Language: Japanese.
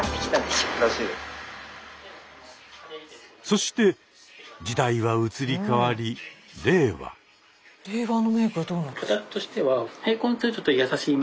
そして時代は移り変わり令和。